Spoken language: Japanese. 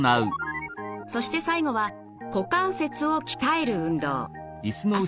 そして最後は股関節を鍛える運動。